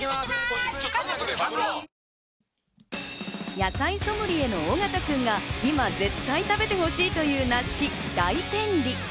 野菜ソムリエの緒方君が今、絶対食べてほしいという梨・大天梨。